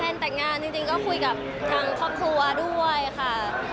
แต่งงานจริงก็คุยกับทางครอบครัวด้วยค่ะ